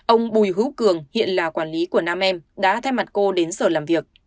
ông bùi hữu cường hiện là quản lý của nam em đã thay mặt cô đến sở làm việc